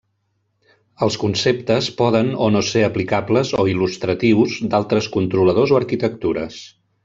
Els conceptes poden o no ser aplicables o il·lustratius d'altres controladors o arquitectures.